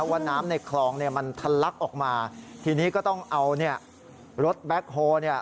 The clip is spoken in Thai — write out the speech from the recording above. ว่าน้ำในคลองเนี่ยมันทันลักออกมาทีนี้ก็ต้องเอาเนี่ยรถแบ็คโฮลเนี่ย